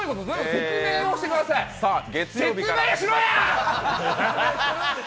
説明しろや！